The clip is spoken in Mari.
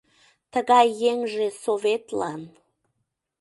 Тыгай еҥже Советлан